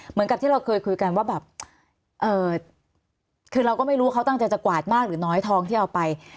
เหมือนกับที่เราเคยคุยกันว่าแบบคือเราก็ไม่รู้เขาตั้งใจจะกวาดมากหรือน้อยทองที่เอาไป